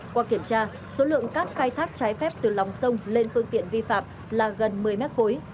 qua kiểm tra số lượng cát khai thác trái phép từ lòng sông lên phương tiện vi phạm là gần một mươi mét khối